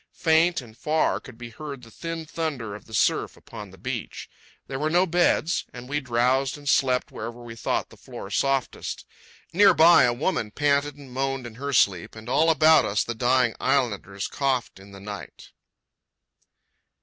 Faint and far could be heard the thin thunder of the surf upon the beach. There were no beds; and we drowsed and slept wherever we thought the floor softest. Near by, a woman panted and moaned in her sleep, and all about us the dying islanders coughed in the night.